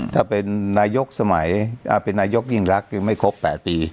ถ้าเป็นนายกสมัยเป็นนายกยิ่งรักคือไม่ครบ๘ปี